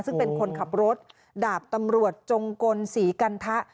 ซึ่งเป็นคนขับรถดาบตำรวจจงกลศรีกันทะ